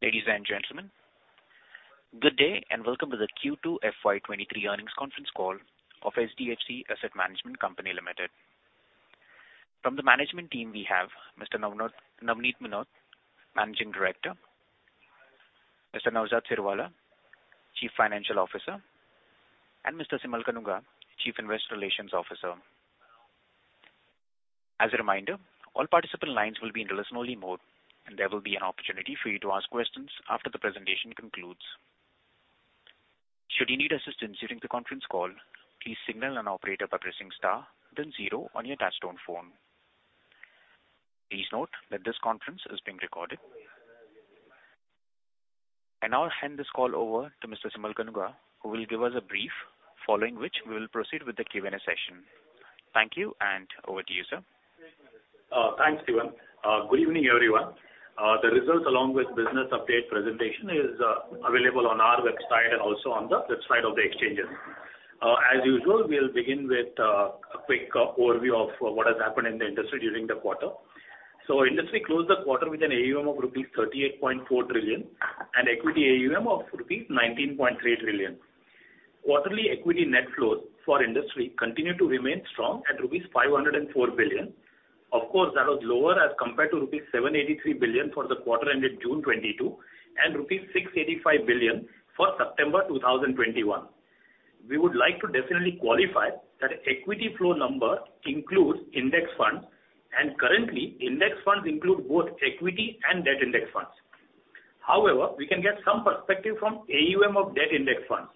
Ladies and gentlemen, good day, and welcome to the Q2 FY 2023 earnings conference call of HDFC Asset Management Company Limited. From the management team, we have Mr. Navneet Munot, Managing Director, Mr. Naozad Sirwalla, Chief Financial Officer, and Mr. Simal Kanuga, Chief Investor Relations Officer. As a reminder, all participant lines will be in listen-only mode, and there will be an opportunity for you to ask questions after the presentation concludes. Should you need assistance during the conference call, please signal an operator by pressing star then 0 on your touchtone phone. Please note that this conference is being recorded. I now hand this call over to Mr. Simal Kanuga who will give us a brief, following which we will proceed with the Q&A session. Thank you, and over to you, sir. Thanks, Steven. Good evening, everyone. The results along with business update presentation is available on our website and also on the website of the exchanges. As usual, we'll begin with a quick overview of what has happened in the industry during the quarter. Industry closed the quarter with an AUM of rupees 38.4 trillion and equity AUM of rupees 19.3 trillion. Quarterly equity net flows for industry continued to remain strong at rupees 504 billion. Of course, that was lower as compared to rupees 783 billion for the quarter ended June 2022 and rupees 685 billion for September 2021. We would like to definitely qualify that equity flow number includes index funds, and currently index funds include both equity and debt index funds. However, we can get some perspective from AUM of Debt Index Funds.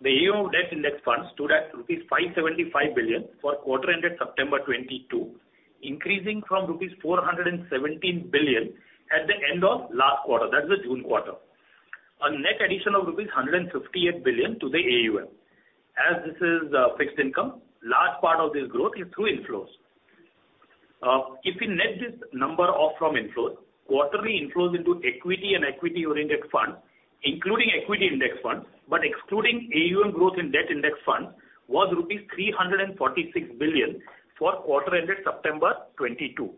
The AUM of Debt Index Funds stood at rupees 575 billion for quarter ended September 2022, increasing from rupees 417 billion at the end of last quarter, that's the June quarter. A net addition of rupees 158 billion to the AUM. As this is fixed income, large part of this growth is through inflows. If we net this number off from inflows, quarterly inflows into equity and equity-oriented funds, including equity index funds, but excluding AUM growth in Debt Index Funds was rupees 346 billion for quarter ended September 2022.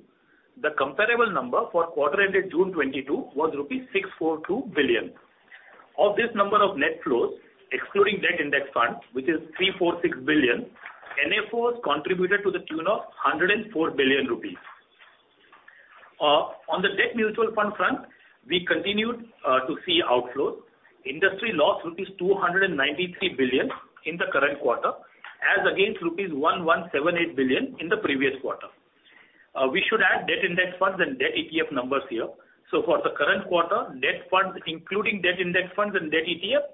The comparable number for quarter ended June 2022 was rupees 642 billion. Of this number of net flows, excluding Debt Index Funds, which is 346 billion, NFOs contributed to the tune of 104 billion rupees. On the debt mutual fund front, we continued to see outflows. Industry lost rupees 293 billion in the current quarter as against rupees 1,178 billion in the previous quarter. We should add Debt Index Funds and Debt ETF numbers here. For the current quarter, debt funds, including Debt Index Funds and Debt ETF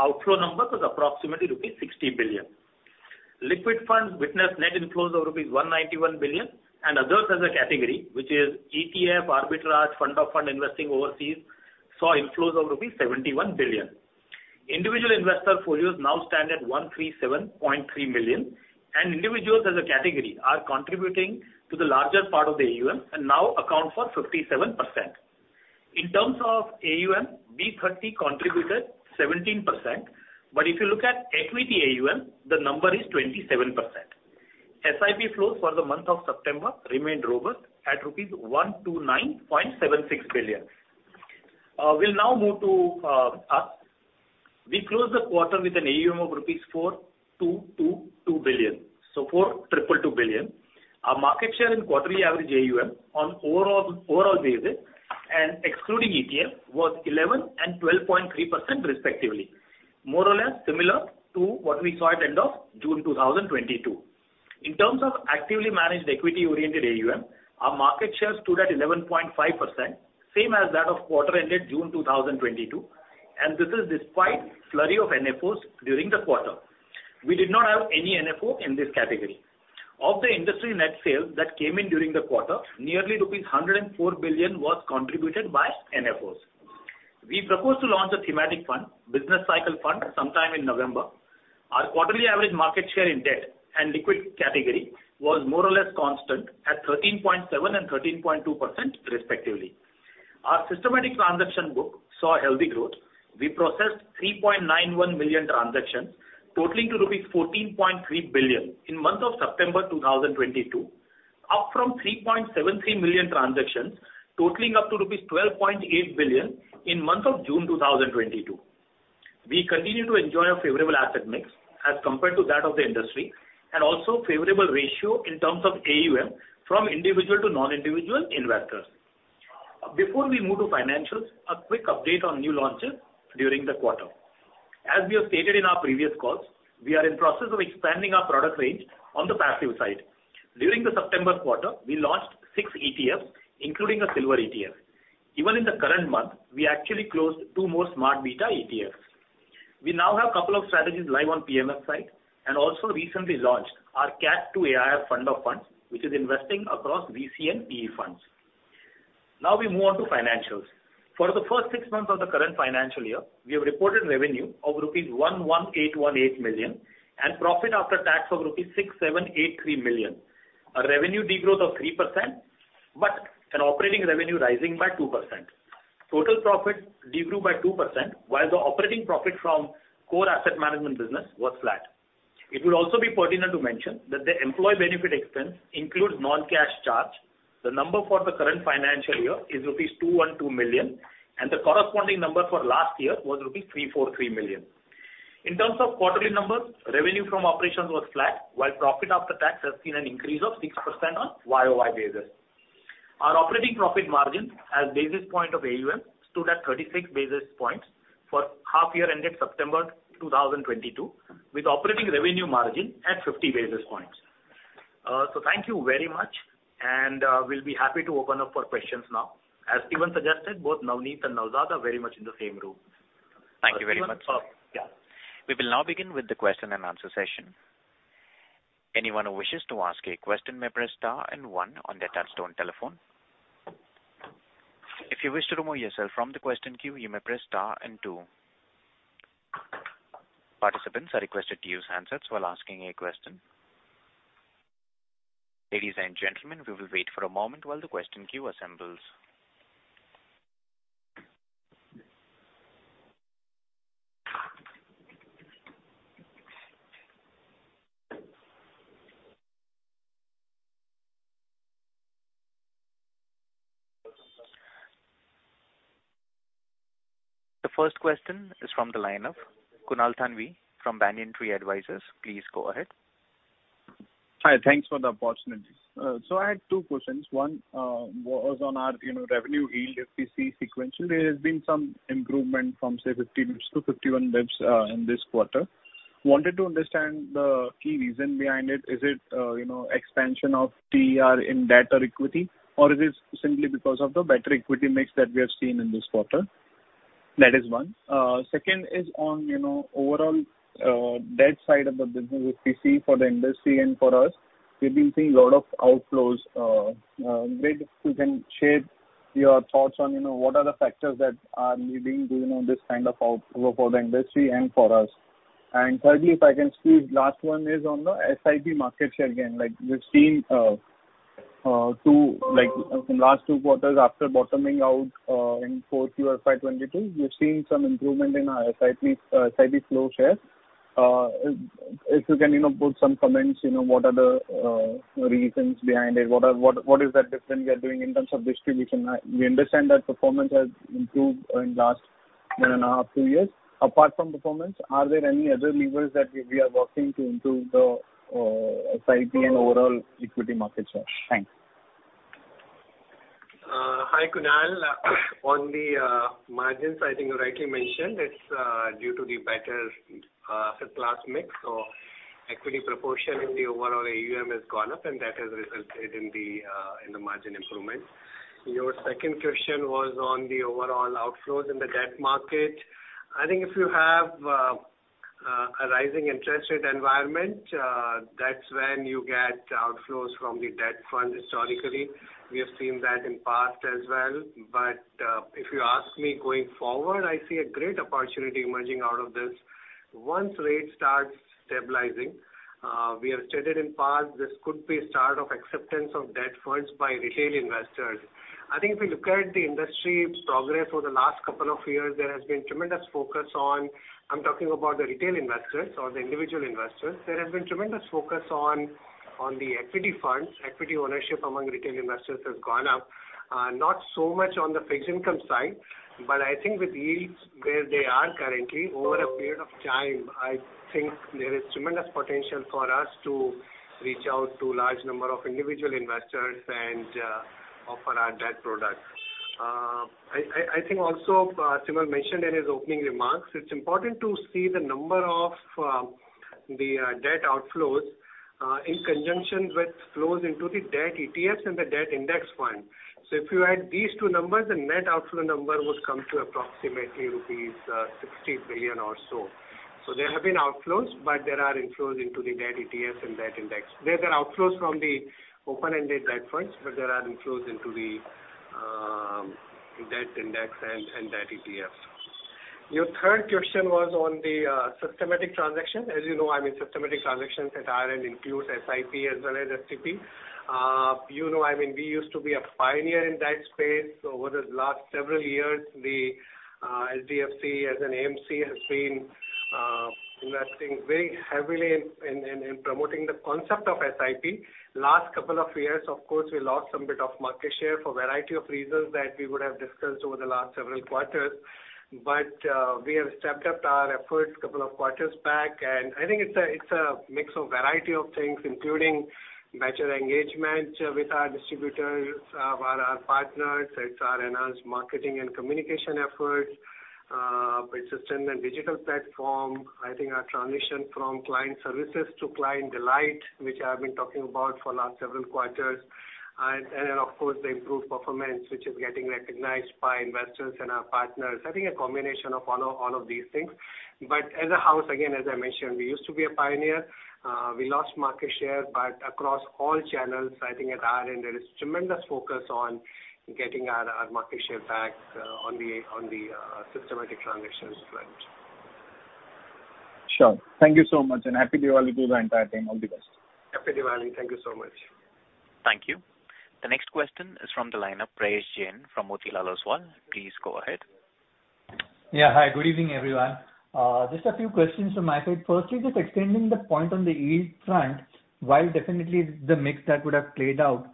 outflow number was approximately rupees 60 billion. Liquid funds witnessed net inflows of rupees 191 billion and others as a category which is ETF, arbitrage, fund of fund investing overseas saw inflows of rupees 71 billion. Individual investor folios now stand at 137.3 million and individuals as a category are contributing to the larger part of the AUM and now account for 57%. In terms of AUM, B-30 contributed 17%. If you look at equity AUM, the number is 27%. SIP flows for the month of September remained robust at rupees 129.76 billion. We'll now move to us. We closed the quarter with an AUM of rupees 4,222 billion, so 4,222 billion. Our market share in quarterly average AUM on overall basis and excluding ETF was 11% and 12.3% respectively. More or less similar to what we saw at end of June 2022. In terms of actively managed equity-oriented AUM, our market share stood at 11.5%, same as that of quarter ended June 2022 and this is despite flurry of NFOs during the quarter. We did not have any NFO in this category. Of the industry net sales that came in during the quarter, nearly rupees 104 billion was contributed by NFOs. We propose to launch a thematic fund, Business Cycle Fund sometime in November. Our quarterly average market share in debt and liquid category was more or less constant at 13.7% and 13.2% respectively. Our systematic transaction book saw healthy growth. We processed 3.91 million transactions totaling rupees 14.3 billion in the month of September 2022, up from 3.73 million transactions totaling rupees 12.8 billion in the month of June 2022. We continue to enjoy a favorable asset mix as compared to that of the industry and also favorable ratio in terms of AUM from individual to non-individual investors. Before we move to financials, a quick update on new launches during the quarter. As we have stated in our previous calls, we are in process of expanding our product range on the passive side. During the September quarter, we launched 6 ETFs including a Silver ETF. Even in the current month, we actually closed 2 more Smart Beta ETFs. We now have a couple of strategies live on PMS side and also recently launched our Category II AIF fund of funds which is investing across VC and PE funds. Now, we move on to financials. For the first 6 months of the current financial year, we have reported revenue of rupees 118.18 million and profit after tax of rupees 67.83 million. Revenue degrowth of 3%, but an operating revenue rising by 2%. Total profit degrew by 2%, while the operating profit from core asset management business was flat. It will also be pertinent to mention that the employee benefit expense includes non-cash charge. The number for the current financial year is rupees 212 million, and the corresponding number for last year was rupees 343 million. In terms of quarterly numbers, revenue from operations was flat, while profit after tax has seen an increase of 6% on YOY basis. Our operating profit margin as basis point of AUM stood at 36 basis points for half year ended September 2022, with operating revenue margin at 50 basis points. Thank you very much, and we'll be happy to open up for questions now. As Simal suggested, both Navneet and Naozad are very much in the same room. Thank you very much. Yeah. We will now begin with the question and answer session. Anyone who wishes to ask a question may press star and 1 on their touchtone telephone. If you wish to remove yourself from the question queue, you may press star and 2. Participants are requested to use handsets while asking a question. Ladies and gentlemen, we will wait for a moment while the question queue assembles. The first question is from the line of Kunal Thanvi from Banyan Tree Advisors. Please go ahead. Hi. Thanks for the opportunity. So I had 2 questions. 1 was on our, you know, revenue yield if we see sequential, there has been some improvement from, say, 50 basis points to 51 basis points in this quarter. Wanted to understand the key reason behind it. Is it, you know, expansion of TER in debt or equity? Or is it simply because of the better equity mix that we have seen in this quarter? That is one. Second is on, you know, overall debt side of the business if we see for the industry and for us. We've been seeing a lot of outflows. Maybe if you can share your thoughts on, you know, what are the factors that are leading to, you know, this kind of outflow for the industry and for us. Thirdly, if I can squeeze in the last one is on the SIP market share gain. Like, we've seen too, like from last 2 quarters after bottoming out in Q4 of FY 2022, we've seen some improvement in our SIP flow shares. If you can, you know, put some comments, you know, what are the reasons behind it? What is that's different we are doing in terms of distribution? We understand that performance has improved in last 1 and a half, 2 years. Apart from performance, are there any other levers that we are working to improve the SIP and overall equity market share? Thanks. Hi, Kunal. On the margins, I think you rightly mentioned it's due to the better class mix. Equity proportion in the overall AUM has gone up and that has resulted in the margin improvements. Your second question was on the overall outflows in the debt market. I think if you have a rising interest rate environment, that's when you get outflows from the debt fund historically. We have seen that in past as well. If you ask me going forward, I see a great opportunity emerging out of this. Once rates start stabilizing, we have stated in past this could be a start of acceptance of debt funds by retail investors. I think if we look at the industry's progress over the last couple of years, there has been tremendous focus on. I'm talking about the retail investors or the individual investors. There has been tremendous focus on the equity funds. Equity ownership among retail investors has gone up. Not so much on the fixed income side, but I think with yields where they are currently, over a period of time, I think there is tremendous potential for us to reach out to large number of individual investors and offer our debt products. I think also, Simal mentioned in his opening remarks, it's important to see the number of debt outflows in conjunction with flows into the debt ETFs and the debt index fund. If you add these 2 numbers, the net outflow number would come to approximately rupees 60 billion or so. There have been outflows, but there are inflows into the debt ETFs and debt index. There are outflows from the open-ended debt funds, but there are inflows into the debt index and debt ETFs. Your third question was on the systematic transaction. As you know, I mean, systematic transactions at our end include SIP as well as STP. You know, I mean, we used to be a pioneer in that space. Over the last several years, the HDFC as an AMC has been investing very heavily in promoting the concept of SIP. Last couple of years, of course, we lost some bit of market share for a variety of reasons that we would have discussed over the last several quarters. We have stepped up our efforts couple of quarters back, and I think it's a mix of variety of things, including better engagement with our distributors, our partners. It's our enhanced marketing and communication efforts, persistent and digital platform. I think our transition from client services to client delight, which I've been talking about for last several quarters. Then of course, the improved performance, which is getting recognized by investors and our partners. I think a combination of all of these things. As a house, again, as I mentioned, we used to be a pioneer. We lost market share, but across all channels, I think at our end, there is tremendous focus on getting our market share back, on the systematic transactions front. Sure. Thank you so much, and Happy Diwali to the entire team. All the best. Happy Diwali. Thank you so much. Thank you. The next question is from the line of Prayesh Jain from Motilal Oswal. Please go ahead. Hi, good evening, everyone. Just a few questions from my side. Firstly, just extending the point on the yield front. While definitely the mix that would have played out,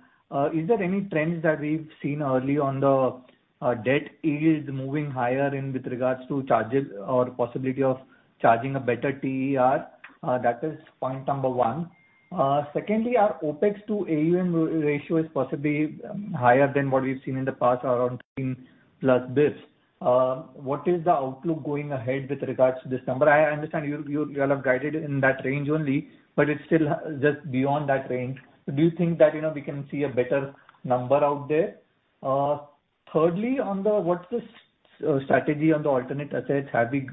is there any trends that we've seen early on the debt yields moving higher in with regards to charges or possibility of charging a better TER? That is point number one. Secondly, our OpEx to AUM ratio is possibly higher than what we've seen in the past around 10+ basis. What is the outlook going ahead with regards to this number? I understand you all have guided in that range only, but it's still just beyond that range. Do you think that, you know, we can see a better number out there? Thirdly, on the what's the strategy on the alternate assets having...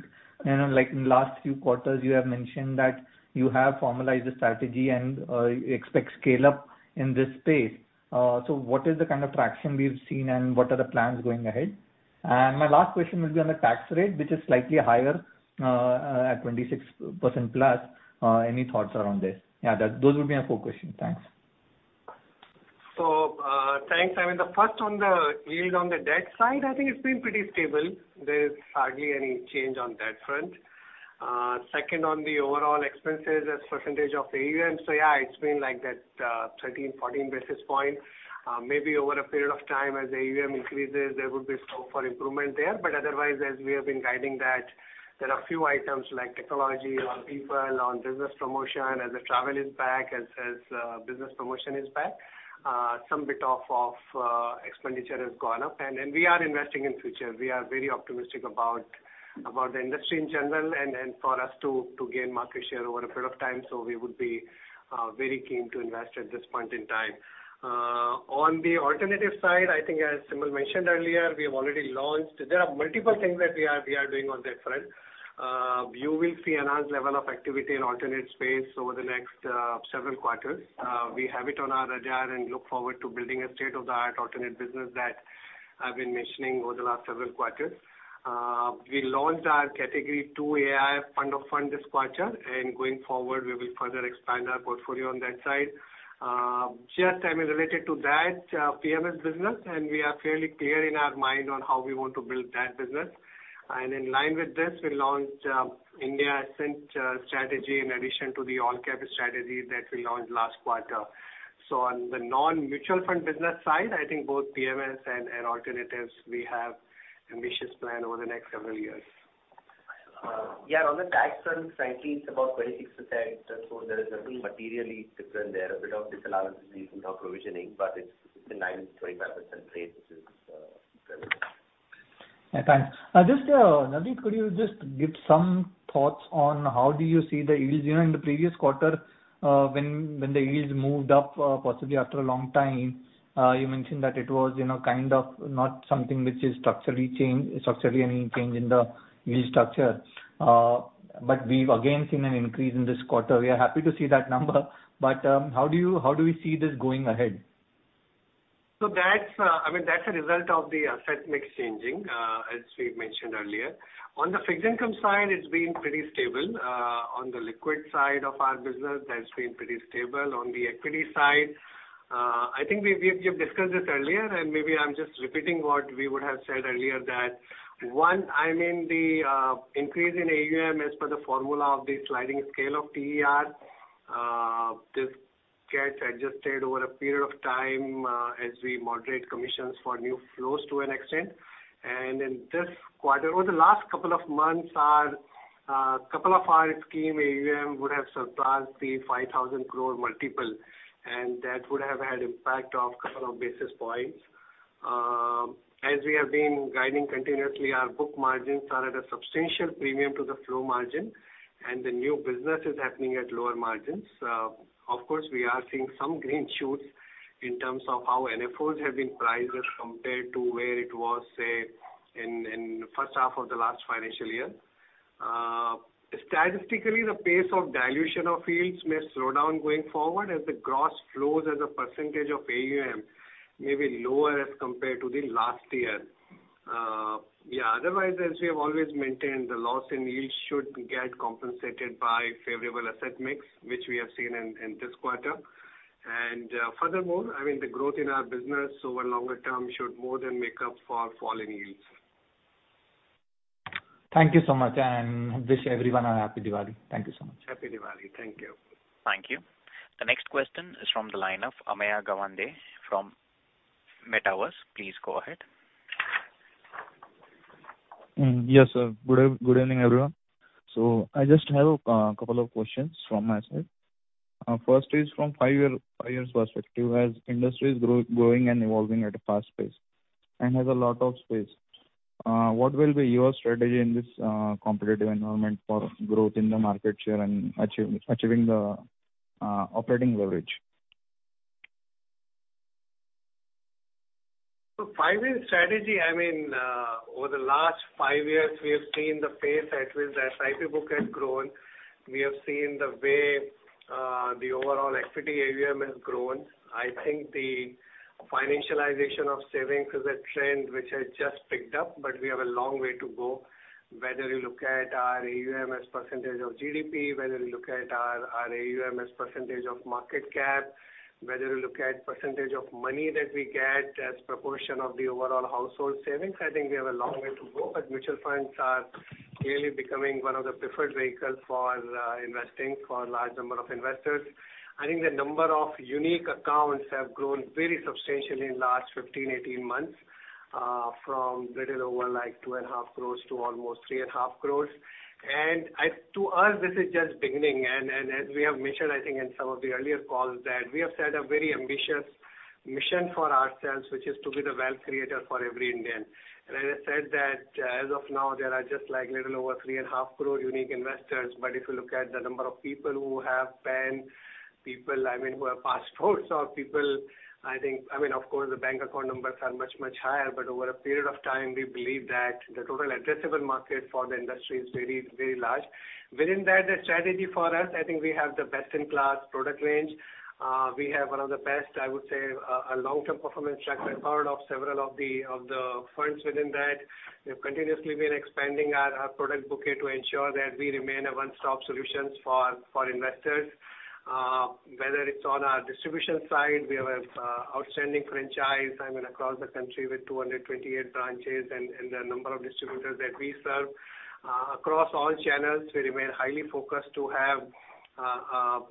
You know, like in last few quarters you have mentioned that you have formalized the strategy and you expect scale-up in this space. What is the kind of traction we've seen and what are the plans going ahead? And my last question will be on the tax rate, which is slightly higher at 26% plus. Any thoughts around this? Yeah, those would be my 4 questions. Thanks. Thanks. I mean, the first on the yield on the debt side, I think it's been pretty stable. There's hardly any change on that front. Second, on the overall expenses as percentage of AUM, so yeah, it's been like that, 13, 14 basis points. Maybe over a period of time as AUM increases, there would be scope for improvement there. But otherwise, as we have been guiding that, there are few items like technology on people, on business promotion, as the travel is back, as business promotion is back, some bit of expenditure has gone up. And we are investing in future. We are very optimistic about the industry in general and for us to gain market share over a period of time. We would be very keen to invest at this point in time. On the alternative side, I think as Simal mentioned earlier, we have already launched. There are multiple things that we are doing on that front. You will see enhanced level of activity in alternative space over the next several quarters. We have it on our radar and look forward to building a state-of-the-art alternative business that I've been mentioning over the last several quarters. We launched our Category II AIF fund of funds this quarter, and going forward, we will further expand our portfolio on that side. Just, I mean, related to that, PMS business, and we are fairly clear in our mind on how we want to build that business. In line with this, we launched India Ascent strategy in addition to the All Cap strategy that we launched last quarter. On the non-mutual fund business side, I think both PMS and alternatives, we have ambitious plan over the next several years. Yeah, on the tax front, frankly, it's about 26%. There is nothing materially different there. A bit of disallowances in our provisioning, but it's within 9%-25% range, which is prevalent. Yeah. Thanks. Just, Navneet, could you just give some thoughts on how do you see the yields? You know, in the previous quarter, when the yields moved up, possibly after a long time, you mentioned that it was, you know, kind of not something which is structurally any change in the yield structure. We've again seen an increase in this quarter. We are happy to see that number. How do you, how do we see this going ahead? That's, I mean that's a result of the asset mix changing, as we've mentioned earlier. On the fixed income side, it's been pretty stable. On the liquid side of our business, that's been pretty stable. On the equity side, I think we have discussed this earlier, and maybe I'm just repeating what we would have said earlier that, one, I mean the increase in AUM as per the formula of the sliding scale of TER, this gets adjusted over a period of time, as we moderate commissions for new flows to an extent. In this quarter, over the last couple of months, a couple of our scheme AUM would have surpassed the 5,000 crore multiple, and that would have had impact of couple of basis points. As we have been guiding continuously, our book margins are at a substantial premium to the flow margin, and the new business is happening at lower margins. Of course, we are seeing some green shoots in terms of how NFOs have been priced as compared to where it was, say, in the H1 of the last financial year. Statistically, the pace of dilution of yields may slow down going forward as the gross flows as a percentage of AUM may be lower as compared to the last year. Yeah, otherwise, as we have always maintained, the loss in yield should get compensated by favorable asset mix, which we have seen in this quarter. Furthermore, I mean, the growth in our business over longer term should more than make up for fall in yields. Thank you so much, and wish everyone a happy Diwali. Thank you so much. Happy Diwali. Thank you. Thank you. The next question is from the line of Ameya Gawande from Metis Capital. Please go ahead. Yes, sir. Good evening, everyone. I just have a couple of questions from my side. First is from 5 years perspective. As industry is growing and evolving at a fast pace and has a lot of space, what will be your strategy in this competitive environment for growth in the market share and achieving the operating leverage? 5-year strategy, I mean, over the last 5 years, we have seen the pace at which the SIP book has grown. We have seen the way, the overall equity AUM has grown. I think the financialization of savings is a trend which has just picked up, but we have a long way to go. Whether you look at our AUM as percentage of GDP, whether you look at our AUM as percentage of market cap, whether you look at percentage of money that we get as proportion of the overall household savings, I think we have a long way to go. But mutual funds are really becoming one of the preferred vehicles for, investing for a large number of investors. I think the number of unique accounts have grown very substantially in last 15, 18 months, from little over like 2.5 crores to almost 3.5 crores. To us, this is just beginning. As we have mentioned, I think in some of the earlier calls that we have set a very ambitious mission for ourselves, which is to be the wealth creator for every Indian. As I said that, as of now there are just like little over 3.5 crore unique investors. If you look at the number of people who have PAN, people, I mean, who have passports or people, I think, I mean, of course, the bank account numbers are much, much higher. Over a period of time, we believe that the total addressable market for the industry is very, very large. Within that, the strategy for us, I think we have the best-in-class product range. We have one of the best, I would say, a long-term performance track record of several of the funds within that. We've continuously been expanding our product bouquet to ensure that we remain a one-stop solutions for investors. Whether it's on our distribution side, we have an outstanding franchise, I mean, across the country with 228 branches and the number of distributors that we serve. Across all channels, we remain highly focused to have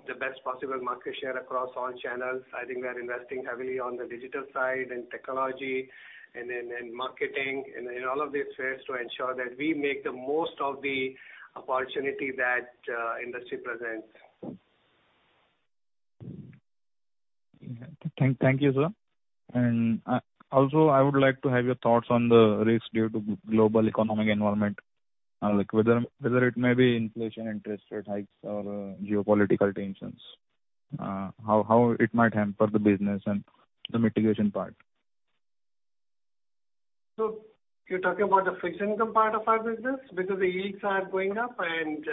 the best possible market share across all channels. I think we are investing heavily on the digital side, in technology and in marketing and in all of these spheres to ensure that we make the most of the opportunity that industry presents. Thank you, sir. Also, I would like to have your thoughts on the risk due to global economic environment, like whether it may be inflation, interest rate hikes or geopolitical tensions. How it might hamper the business and the mitigation part. You're talking about the fixed income part of our business because the yields are going up and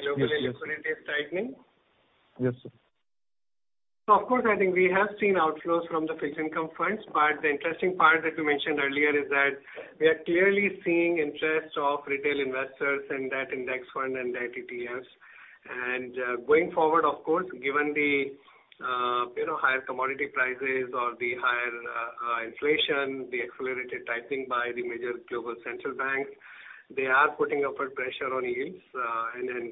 globally. Yes, sir. Liquidity is tightening? Yes, sir. Of course, I think we have seen outflows from the fixed income funds. The interesting part that you mentioned earlier is that we are clearly seeing interest of retail investors in that index fund and the ETFs. Going forward, of course, given the higher commodity prices or the higher inflation, the accelerated tightening by the major global central banks, they are putting upward pressure on yields.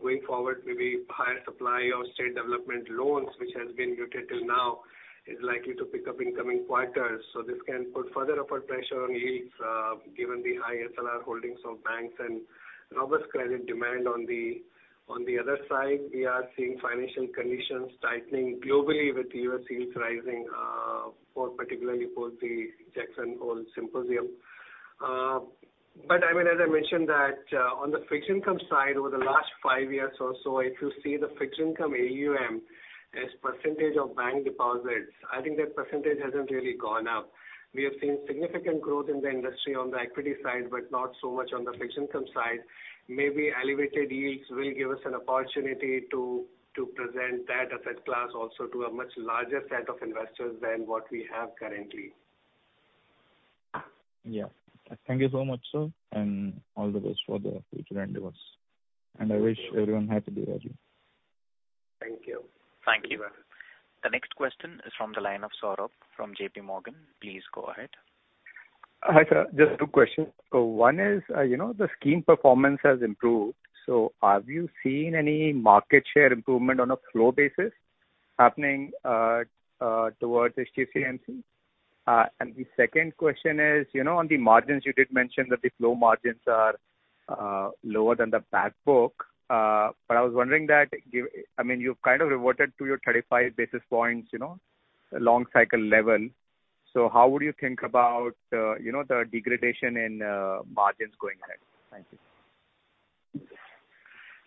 Going forward, maybe higher supply of state development loans, which has been muted till now, is likely to pick up in coming quarters. This can put further upward pressure on yields, given the high SLR holdings of banks and robust credit demand on the other side. We are seeing financial conditions tightening globally with U.S. yields rising, particularly post the Jackson Hole Symposium. I mean, as I mentioned that on the fixed income side, over the last 5 years or so, if you see the fixed income AUM as percentage of bank deposits, I think that percentage hasn't really gone up. We have seen significant growth in the industry on the equity side, but not so much on the fixed income side. Maybe elevated yields will give us an opportunity to present that asset class also to a much larger set of investors than what we have currently. Yeah. Thank you so much, sir, and all the best for the future endeavors. I wish everyone happy Diwali. Thank you. Thank you. The next question is from the line of Saurabh from JP Morgan. Please go ahead. Hi, sir. Just 2 questions. 1 is, you know, the scheme performance has improved. Have you seen any market share improvement on a flow basis happening towards HDFC AMC? The second question is, you know, on the margins you did mention that the flow margins are lower than the back book. I was wondering, I mean, you've kind of reverted to your 35 basis points, you know, long cycle level. How would you think about, you know, the degradation in margins going ahead? Thank you.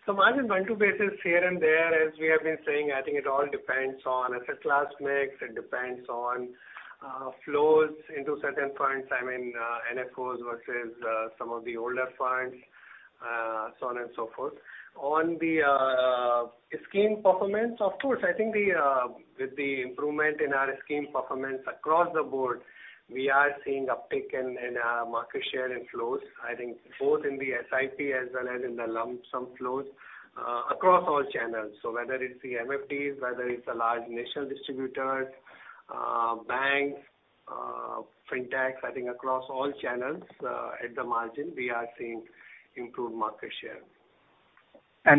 Margins 0.2 basis points here and there, as we have been saying, I think it all depends on asset class mix. It depends on flows into certain funds. I mean, NFOs versus some of the older funds, so on and so forth. On the scheme performance, of course, I think with the improvement in our scheme performance across the board, we are seeing uptick in market share and flows, I think both in the SIP as well as in the lump sum flows across all channels. Whether it's the MFDs, whether it's the large national distributors, banks, FinTechs. I think across all channels, at the margin we are seeing improved market share.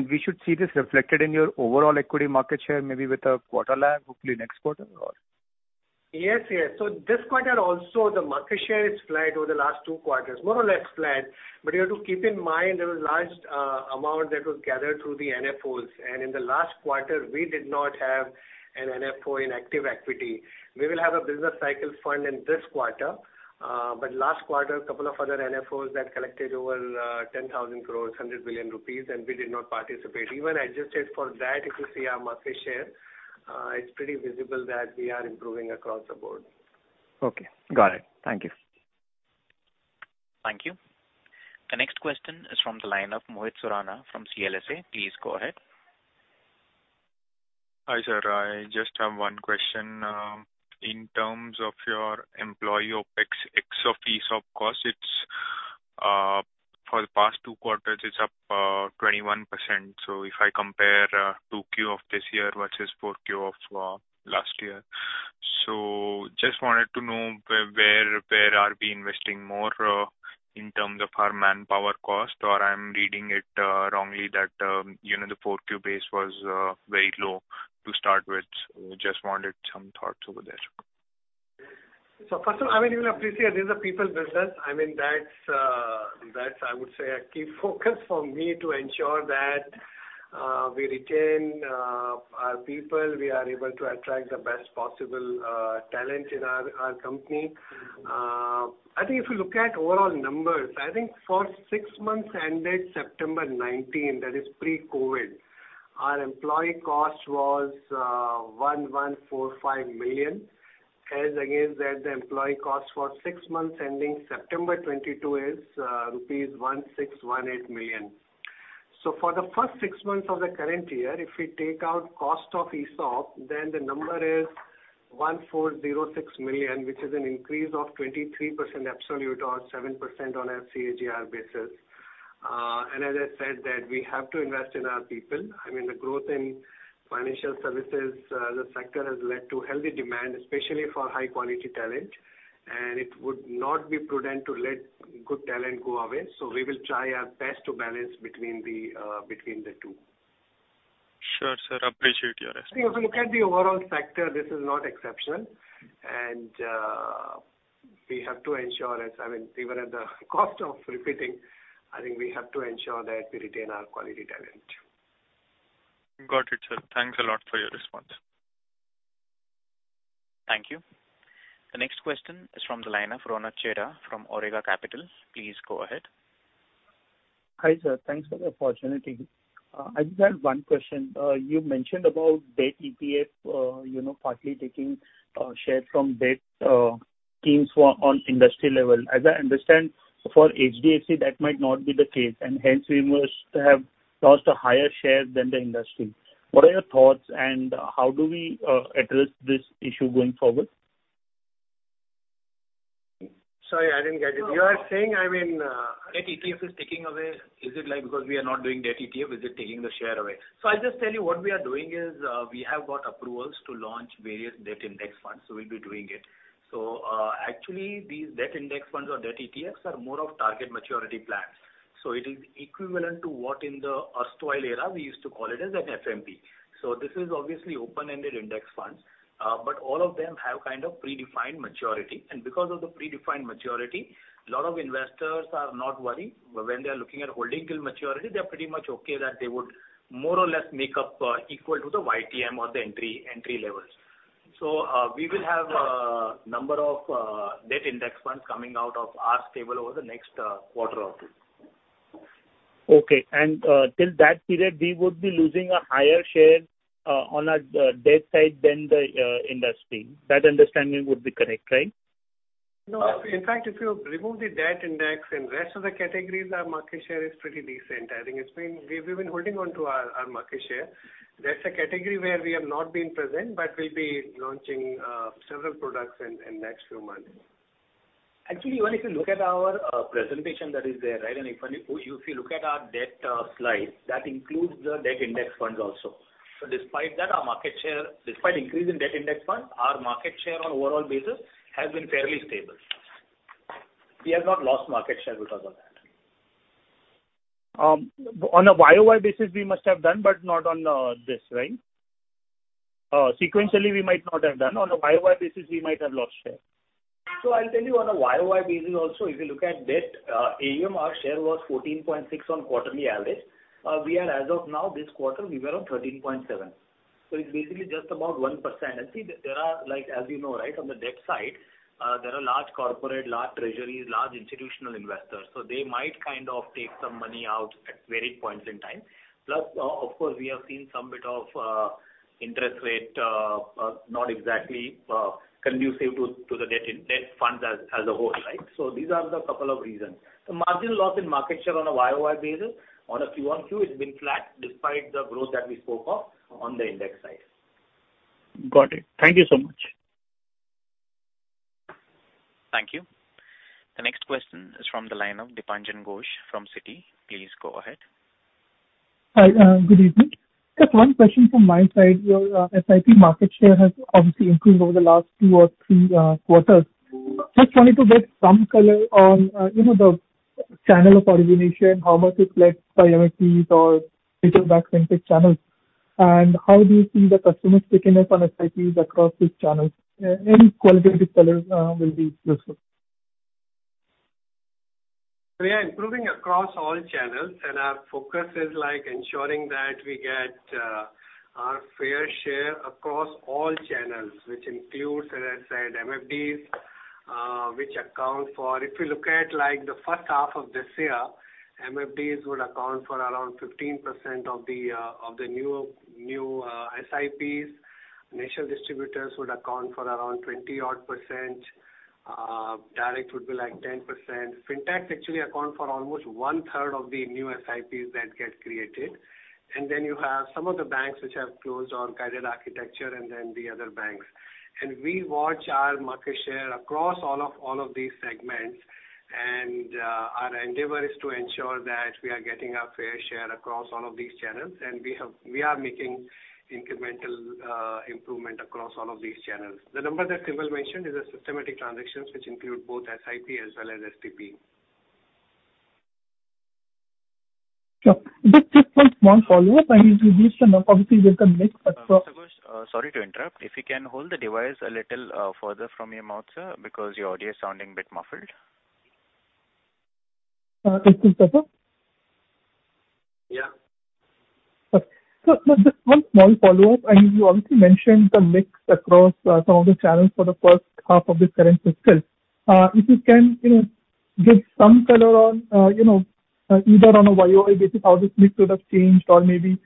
We should see this reflected in your overall equity market share, maybe with a quarter lag, hopefully next quarter or? Yes, yes. This quarter also the market share is flat over the last 2 quarters. More or less flat. You have to keep in mind there was a large amount that was gathered through the NFOs. In the last quarter we did not have an NFO in active equity. We will have a Business Cycle Fund in this quarter. Last quarter, a couple of other NFOs that collected over 10,000 crore, 100 billion rupees, and we did not participate. Even adjusted for that if you see our market share, it's pretty visible that we are improving across the board. Okay. Got it. Thank you. Thank you. The next question is from the line of Mohit Surana from CLSA. Please go ahead. Hi, sir. I just have 1 question. In terms of your employee OpEx ex ESOP costs, it's for the past 2 quarters up 21%. If I compare 2Q of this year versus 4Q of last year. Just wanted to know where we are investing more in terms of our manpower cost, or I'm reading it wrongly that you know the 4Q base was very low to start with. Just wanted some thoughts over there. First of all, I mean, you will appreciate this is a people business. I mean, that's I would say a key focus for me to ensure that we retain our people, we are able to attract the best possible talent in our company. I think if you look at overall numbers, I think for 6 months ended September 2019, that is pre-COVID, our employee cost was 1,145 million. As against that, the employee cost for 6 months ending September 2022 is rupees 1,618 million. For the first 6 months of the current year, if we take out cost of ESOP, then the number is 1,406 million, which is an increase of 23% absolute or 7% on a CAGR basis. As I said that we have to invest in our people. I mean, the growth in financial services, the sector has led to healthy demand, especially for high-quality talent, and it would not be prudent to let good talent go away. We will try our best to balance between the 2. Sure, sir. Appreciate your answer. If you look at the overall sector, this is not exceptional. We have to ensure, I mean, even at the cost of repeating, I think we have to ensure that we retain our quality talent. Got it, sir. Thanks a lot for your response. Thank you. The next question is from the line of Ronak Chheda from Orega Capital. Please go ahead. Hi, sir. Thanks for the opportunity. I just had 1 question. You mentioned about debt ETF, you know, partly taking share from debt schemes on industry level. As I understand, for HDFC that might not be the case, and hence we must have lost a higher share than the industry. What are your thoughts and how do we address this issue going forward? Sorry, I didn't get it. You are saying, I mean, debt ETF is taking away. Is it like because we are not doing debt ETF, is it taking the share away? I'll just tell you what we are doing is, we have got approvals to launch various debt index funds, so we'll be doing it. Actually these debt index funds or debt ETFs are more of target maturity funds. It is equivalent to what in the erstwhile era we used to call it as an FMP. This is obviously open-ended index funds. But all of them have kind of predefined maturity. Because of the predefined maturity, lot of investors are not worried. When they are looking at holding till maturity, they are pretty much okay that they would more or less make up equal to the YTM or the entry levels. We will have number of debt index funds coming out of our stable over the next quarter or 2. Okay. Till that period, we would be losing a higher share on a debt side than the industry. That understanding would be correct, right? No. In fact, if you remove the debt index and rest of the categories, our market share is pretty decent. I think it's been. We've been holding on to our market share. That's a category where we have not been present, but we'll be launching several products in next few months. Actually, even if you look at our presentation that is there, right, and if you look at our debt slide, that includes the debt index funds also. Despite that, despite increase in debt index funds, our market share on overall basis has been fairly stable. We have not lost market share because of that. On a YOY basis, we must have done, but not on this, right? Sequentially, we might not have done. On a YOY basis, we might have lost share. I'll tell you on a YOY basis also, if you look at debt AUM, our share was 14.6% on quarterly average. We are as of now, this quarter we were on 13.7%. It's basically just about 1%. See, there are like, as you know, right, on the debt side, there are large corporate, large treasuries, large institutional investors. They might kind of take some money out at varied points in time. Plus, of course, we have seen some bit of interest rate not exactly conducive to the debt funds as a whole, right? These are the couple of reasons. The marginal loss in market share on a YOY basis on a Q-on-Q, it's been flat despite the growth that we spoke of on the index side. Got it. Thank you so much. Thank you. The next question is from the line of Dipanjan Ghosh from Citi. Please go ahead. Hi. Good evening. Just 1 question from my side. Your SIP market share has obviously improved over the last 2 or 3 quarters. Just wanted to get some color on, you know, the channel of origination, how much it led to MFs or digital-centric channels. How do you see the customer stickiness on SIPs across these channels? Any qualitative colors will be useful. Yeah, improving across all channels, and our focus is like ensuring that we get our fair share across all channels, which includes, as I said, MFDs, which account for. If you look at like the H1 of this year, MFDs would account for around 15% of the new SIPs. National distributors would account for around 20-odd%. Direct would be like 10%. FinTech actually account for almost 1/3 of the new SIPs that get created. Then you have some of the banks which have closed or guided architecture and then the other banks. We watch our market share across all of these segments. Our endeavor is to ensure that we are getting our fair share across all of these channels. We are making incremental improvement across all of these channels. The number that Simal mentioned is systematic transactions which include both SIP as well as STP. Sure. Just 1 small follow-up. I mean, you released the, obviously with the mix. Sorry to interrupt. If you can hold the device a little further from your mouth, sir, because your audio is sounding a bit muffled. This is better? Yeah. Just 1 small follow-up. I mean, you obviously mentioned the mix across some of the channels for the H1 of this current fiscal. If you can, you know, give some color on, you know, either on a YOY basis how this mix would have changed or maybe,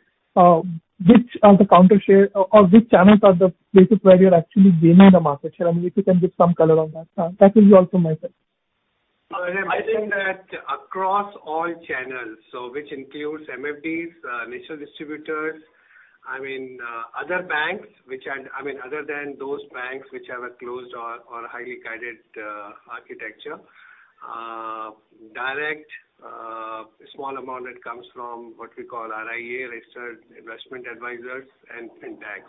which are the contributors or which channels are the places where you're actually gaining the market share. I mean, if you can give some color on that. That will be also my question. I think that across all channels, which includes MFDs, institutional distributors, I mean, other banks which are other than those banks which have a closed or highly guided architecture. Direct, small amount that comes from what we call RIA registered investment advisors and FinTech.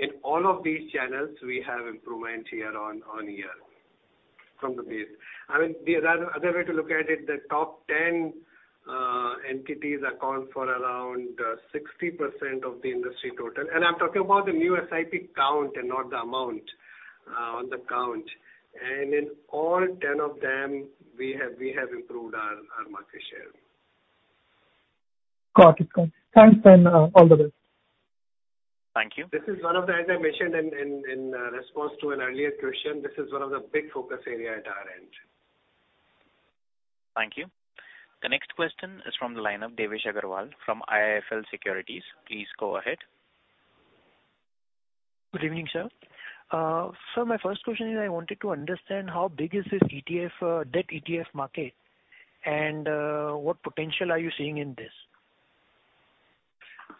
In all of these channels we have improvement year on year from the base. I mean, the other way to look at it, the top 10 entities account for around 60% of the industry total. I'm talking about the new SIP count and not the amount on the count. In all 10 of them we have improved our market share. Got it. Thanks then. All the best. Thank you. As I mentioned in response to an earlier question, this is 1 of the big focus area at our end. Thank you. The next question is from the line of Devesh Agarwal from IIFL Securities. Please go ahead. Good evening, sir. My first question is I wanted to understand how big is this ETF, debt ETF market and what potential are you seeing in this?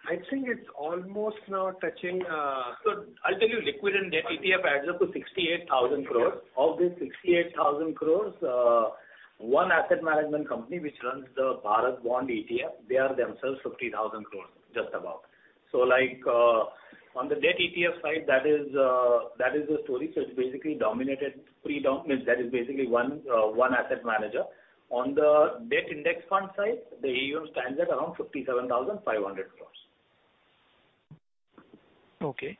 I think it's almost now touching. I'll tell you liquid and debt ETF adds up to 68,000 crore. Of these 68,000 crore, 1 asset management company which runs the Bharat Bond ETF, they are themselves 50,000 crore just about. Like, on the debt ETF side, that is, that is the story. It's basically dominated, I mean, that is basically 1 asset manager. On the debt index fund side, the AUM stands at around 57,500 crore. Okay.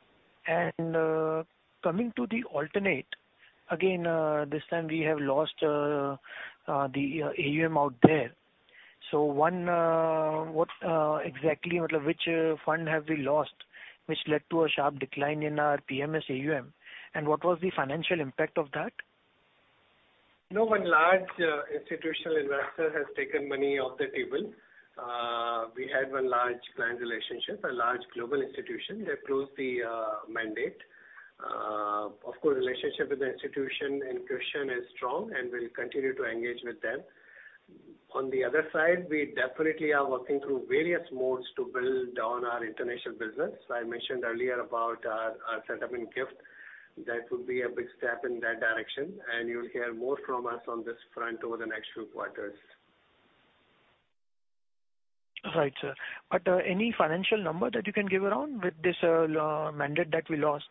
Coming to the alternative again, this time we have lost the AUM out there. What exactly which fund have we lost which led to a sharp decline in our PMS AUM and what was the financial impact of that? No, 1 large institutional investor has taken money off the table. We had 1 large client relationship, a large global institution. They've closed the mandate. Of course, relationship with the institution in question is strong and we'll continue to engage with them. On the other side, we definitely are working through various modes to build on our international business. I mentioned earlier about our setup in GIFT City. That would be a big step in that direction and you'll hear more from us on this front over the next few quarters. Right, sir. Any financial number that you can give around this mandate that we lost?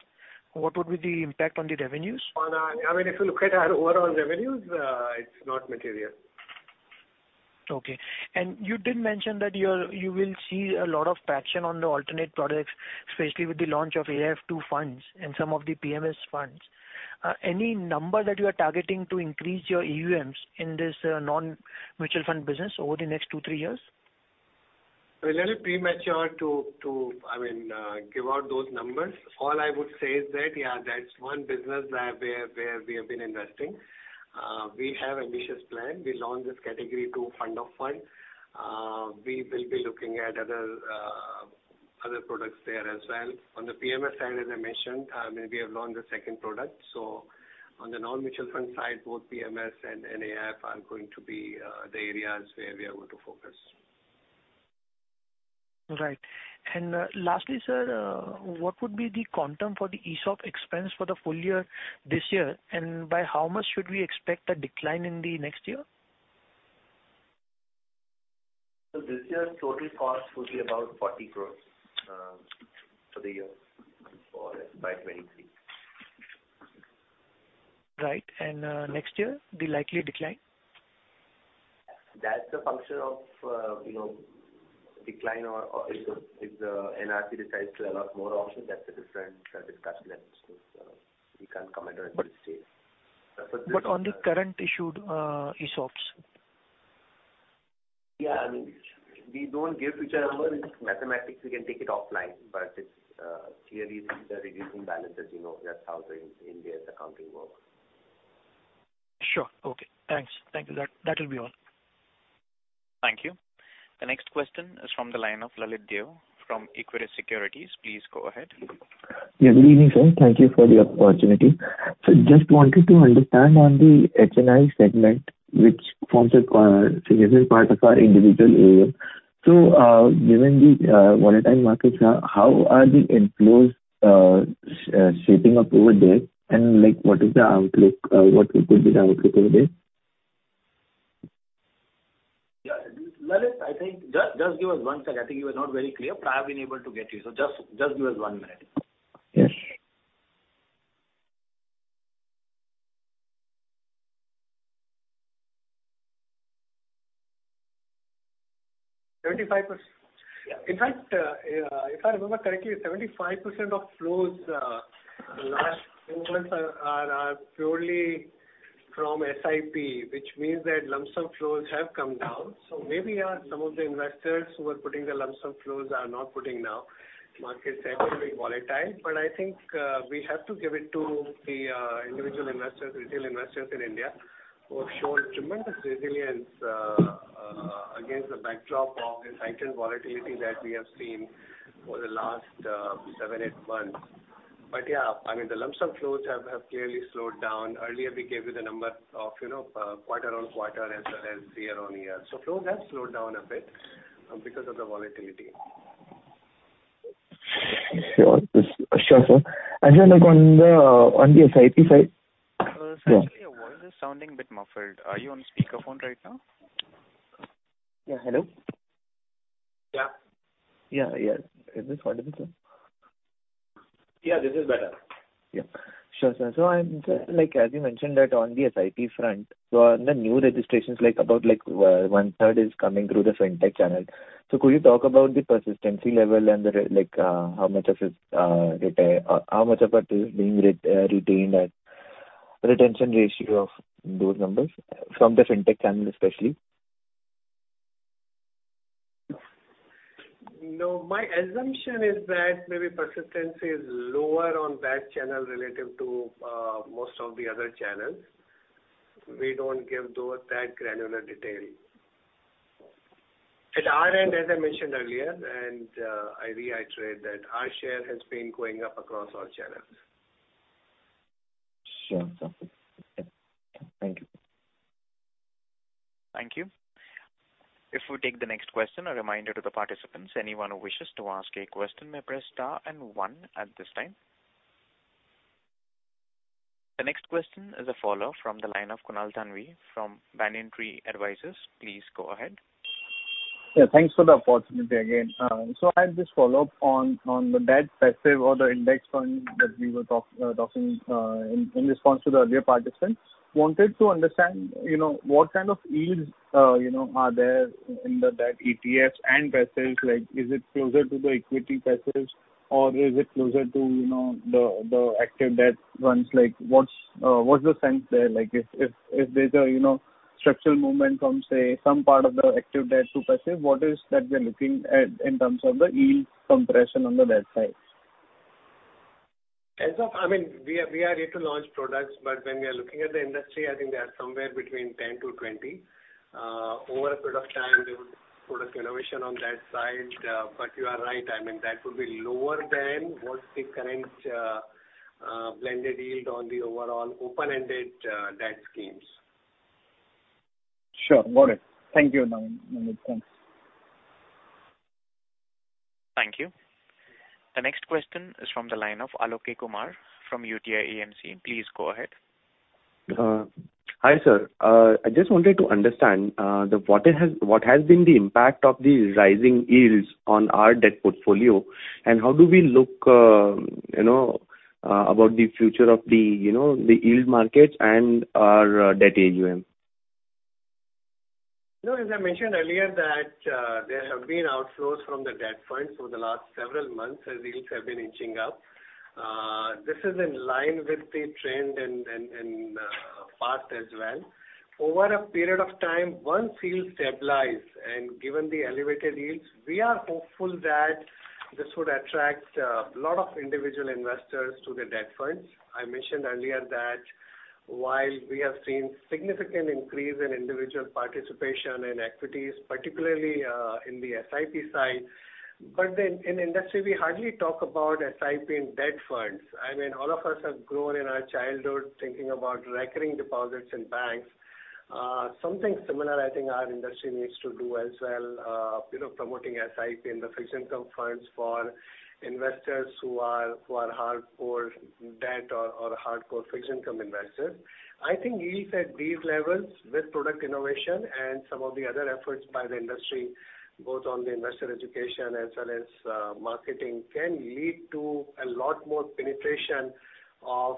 What would be the impact on the revenues? I mean, if you look at our overall revenues, it's not material. Okay. You did mention that you will see a lot of traction on the alternative products, especially with the launch of AIF II funds and some of the PMS funds. Any number that you are targeting to increase your AUMs in this non-mutual fund business over the next 2-3 years? A little premature to, I mean, give out those numbers. All I would say is that, yeah, that's 1 business, where we have been investing. We have ambitious plan. We launched this Category II fund of funds. We will be looking at other products there as well. On the PMS side, as I mentioned, I mean, we have launched the second product. On the non-mutual fund side, both PMS and AIF are going to be the areas where we are going to focus. Right. Lastly, sir, what would be the quantum for the ESOP expense for the full year this year? By how much should we expect a decline in the next year? This year's total cost would be about 40 crore for the year for FY 2023. Right. Next year, the likely decline? That's a function of, you know, decline or if the NRC decides to allow more options, that's a different discussion item. We can't comment on it at this stage. On the currently issued ESOPs. I mean, we don't give future numbers. It's mathematics, we can take it offline, but it's clearly the reducing balances, you know, that's how the Indian accounting works. Sure. Okay. Thanks. Thank you. That will be all. Thank you. The next question is from the line of Lalit Dev from Equirus Securities. Please go ahead. Good evening, sir. Thank you for the opportunity. Just wanted to understand on the HNI segment, which forms a significant part of our individual area. Given the volatile markets, how are the inflows shaping up over there? Like, what is the outlook? What could be the outlook over there? Yeah. Lalit, I think just give us 1 sec. I think you were not very clear. I haven't been able to get you. Just give us 1 minute. Yes. 75%. Yeah. In fact, if I remember correctly, 75% of flows in the last few months are purely from SIP, which means that lump sum flows have come down. Maybe, yeah, some of the investors who were putting the lump sum flows are not putting now. Market is definitely volatile. I think we have to give it to the individual investors, retail investors in India who have shown tremendous resilience against the backdrop of the heightened volatility that we have seen over the last 7, 8 months. Yeah, I mean, the lump sum flows have clearly slowed down. Earlier, we gave you the number of, you know, quarter-on-quarter as well as year-on-year. Flows have slowed down a bit because of the volatility. Sure. Sure, sir. Like, on the SIP side- Sanjeev, your voice is sounding a bit muffled. Are you on speaker phone right now? Yeah. Hello? Yeah. Yeah, yeah. Is this audible, sir? Yeah, this is better. Yeah. Sure, sir. Like, as you mentioned that on the SIP front, so on the new registrations, like, about 1/3 is coming through the FinTech channel. Could you talk about the persistency level and the like, how much of it retires? How much of that is being retained at retention ratio of those numbers from the FinTech channel especially? No. My assumption is that maybe persistency is lower on that channel relative to most of the other channels. We don't give those that granular detail. At our end, as I mentioned earlier and I reiterate that our share has been going up across all channels. Sure. Okay. Thank you. Thank you. If we take the next question, a reminder to the participants, anyone who wishes to ask a question may press star and at this time. The next question is a follow-up from the line of Kunal Thanvi from Banyan Tree Advisors. Please go ahead. Yeah, thanks for the opportunity again. So I have this follow-up on the debt passive or the index fund that we were talking in response to the earlier participant. Wanted to understand, you know, what kind of yields, you know, are there in that ETFs and passives? Like, is it closer to the equity passives or is it closer to, you know, the active debt ones? Like, what's the sense there? Like, if there's a, you know, structural movement from, say, some part of the active debt to passive, what is that we're looking at in terms of the yield compression on the debt side? I mean, we are yet to launch products, but when we are looking at the industry, I think they are somewhere between 10%-20%. Over a period of time, there would be product innovation on that side. You are right. I mean, that will be lower than what the current blended yield on the overall open-ended debt schemes. Sure. Got it. Thank you. Now it's clear. Thank you. The next question is from the line of Alok Kumar from UTI AMC. Please go ahead. Hi, sir. I just wanted to understand what has been the impact of the rising yields on our debt portfolio and how do we look, you know, about the future of the yield markets and our debt AUM? You know, as I mentioned earlier that, there have been outflows from the debt funds over the last several months as yields have been inching up. This is in line with the trend in past as well. Over a period of time, once yields stabilize and given the elevated yields, we are hopeful that this would attract lot of individual investors to the debt funds. I mentioned earlier that while we have seen significant increase in individual participation in equities, particularly in the SIP side, but then in industry we hardly talk about SIP in debt funds. I mean, all of us have grown in our childhood thinking about recurring deposits in banks. Something similar I think our industry needs to do as well, you know, promoting SIP in the fixed income funds for investors who are hardcore debt or hardcore fixed income investors. I think yields at these levels with product innovation and some of the other efforts by the industry, both on the investor education as well as marketing, can lead to a lot more penetration of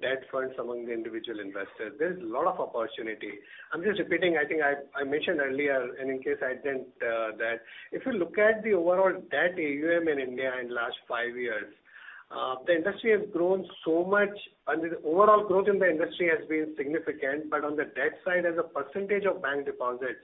debt funds among the individual investors. There's a lot of opportunity. I'm just repeating, I think I mentioned earlier and in case I didn't, that if you look at the overall debt AUM in India in last 5 years, the industry has grown so much and the overall growth in the industry has been significant. On the debt side, as a percentage of bank deposits.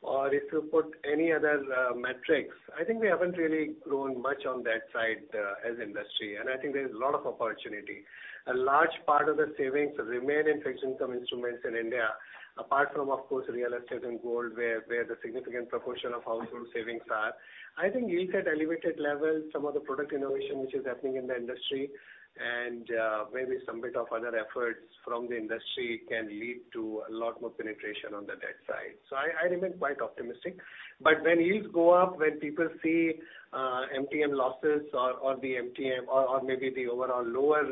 Or if you put any other metrics, I think we haven't really grown much on that side, as industry. I think there is a lot of opportunity. A large part of the savings remain in fixed income instruments in India, apart from of course real estate and gold, where the significant proportion of household savings are. I think yields at elevated levels, some of the product innovation which is happening in the industry and, maybe some bit of other efforts from the industry can lead to a lot more penetration on the debt side. I remain quite optimistic. When yields go up, when people see MTM losses or the MTM or maybe the overall lower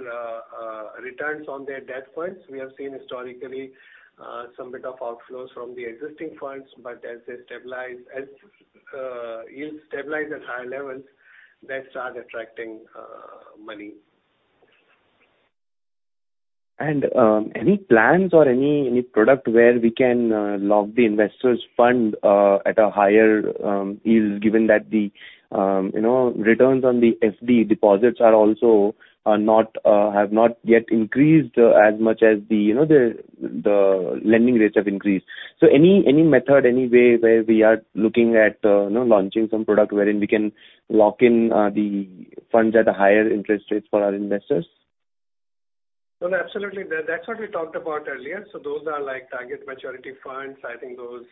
returns on their debt funds, we have seen historically some bit of outflows from the existing funds. As they stabilize, as yields stabilize at higher levels, they start attracting money. Any plans or any product where we can lock the investors' fund at a higher yields, given that the, you know, returns on the FD deposits have not yet increased as much as the, you know, the lending rates have increased. Any method, any way where we are looking at, you know, launching some product wherein we can lock in the funds at a higher interest rates for our investors? No, absolutely. That, that's what we talked about earlier. Those are like Target Maturity Funds. I think those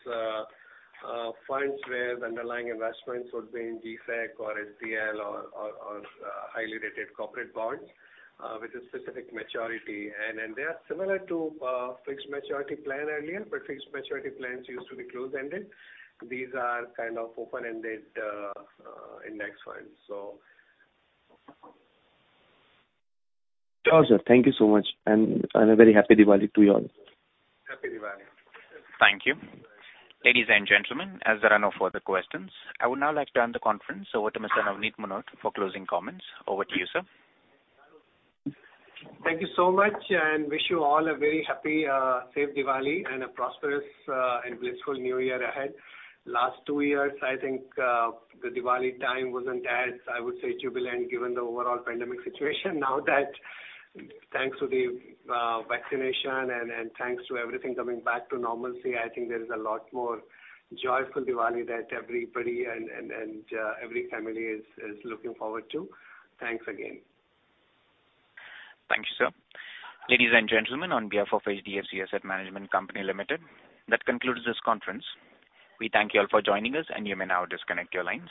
funds where the underlying investments would be in GSEC or SDL or highly rated corporate bonds with a specific maturity. They are similar to fixed maturity plan earlier, but fixed maturity plans used to be closed-ended. These are kind of open-ended index funds. Sure, sir. Thank you so much. A very happy Diwali to you all. Happy Diwali. Thank you. Ladies and gentlemen, as there are no further questions, I would now like to end the conference. Over to Mr. Navneet Munot for closing comments. Over to you, sir. Thank you so much, and wish you all a very happy, safe Diwali and a prosperous, and blissful New Year ahead. Last 2 years, I think, the Diwali time wasn't as, I would say, jubilant given the overall pandemic situation. Now that thanks to the, vaccination and, thanks to everything coming back to normalcy, I think there is a lot more joyful Diwali that everybody and, every family is looking forward to. Thanks again. Thank you, sir. Ladies and gentlemen, on behalf of HDFC Asset Management Company Limited, that concludes this conference. We thank you all for joining us, and you may now disconnect your lines.